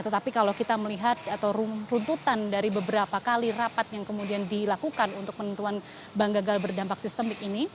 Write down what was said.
tetapi kalau kita melihat atau runtutan dari beberapa kali rapat yang kemudian dilakukan untuk penentuan bank gagal berdampak sistemik ini